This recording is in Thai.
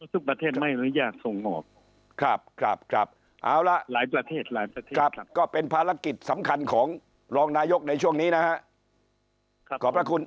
ทุกประเทศไม่ยากส่งออกครับแล้วก็เป็นภารกิจสำคัญของรองนายกในช่วงนี้นะครับ